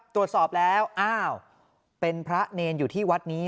ตรวจสอบแล้วอ้าวเป็นพระเนรอยู่ที่วัดนี้